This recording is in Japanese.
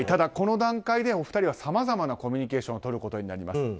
この段階でもお二人はさまざまなコミュニケーションをとることになります。